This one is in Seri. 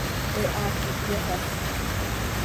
He haac ihpyapaspx.